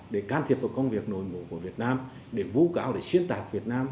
để can thiệp vào công việc nổi bộ của việt nam để vũ cáo để xuyên tạp việt nam